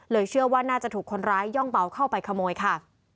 เชื่อว่าน่าจะถูกคนร้ายย่องเบาเข้าไปขโมยค่ะ